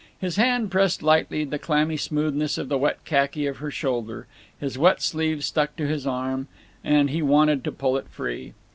His hand pressed lightly the clammy smoothness of the wet khaki of her shoulder; his wet sleeve stuck to his arm, and he wanted to pull it free.